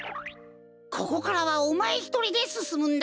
ここからはおまえひとりですすむんだ。